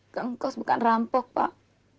gengkos bukan rampok pak